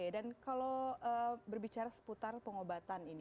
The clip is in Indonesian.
dan kalau berbicara seputar pengobatan ini